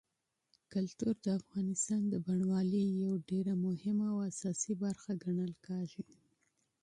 کلتور د افغانستان د بڼوالۍ یوه ډېره مهمه او اساسي برخه ګڼل کېږي.